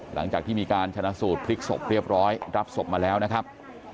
หลังจากที่มีการชนะสูตรพลิกศพเรียบร้อยรับศพมาแล้วนะครับ